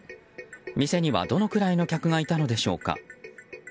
店には、どのくらいの客がいたのでしょうか。